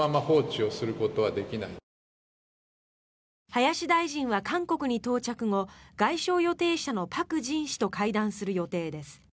林大臣は韓国に到着後外相予定者のパク・ジン氏と会談する予定です。